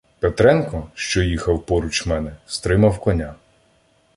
Петренко, що їхав поруч мене, стримав коня.